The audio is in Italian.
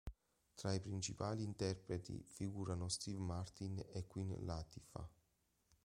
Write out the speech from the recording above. Tra i principali interpreti figurano Steve Martin e Queen Latifah.